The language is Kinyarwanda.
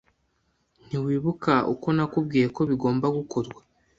Ntiwibuka uko nakubwiye ko bigomba gukorwa?